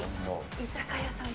居酒屋さんに。